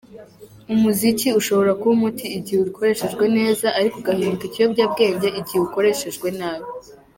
Umuziki ushobora kuba umuti igihe ukoreshejwe neza ariko ugahinduka ikiyobyabwenge igihe ukoreshejwe nabi.